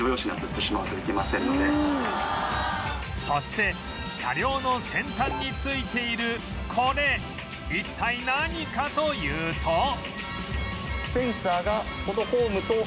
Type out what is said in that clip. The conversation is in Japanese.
そして車両の先端についているこれ一体何かというと